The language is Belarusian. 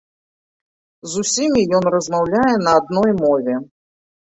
З усімі ён размаўляе на адной мове.